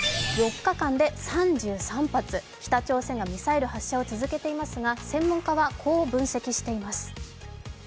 ４日間で３３発、北朝鮮がミサイル発射を続けていますが専門家はこう分析しています。